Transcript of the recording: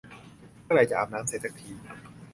เมื่อไหร่จะอาบน้ำเสร็จสักที